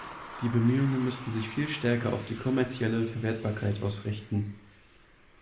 Die Bemühungen müssten sich viel stärker auf die kommerzielle Verwertbarkeit ausrichten.